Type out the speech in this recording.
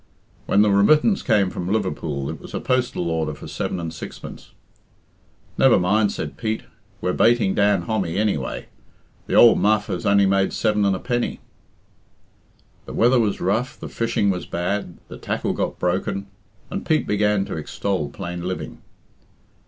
When the remittance came from Liverpool it was a postal order for seven and sixpence. "Never mind," said Pete; "we're bating Dan Hommy anyway the ould muff has only made seven and a penny." The weather was rough, the fishing was bad, the tackle got broken, and Pete began to extol plain living.